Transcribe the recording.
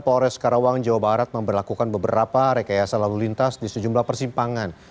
polres karawang jawa barat memperlakukan beberapa rekayasa lalu lintas di sejumlah persimpangan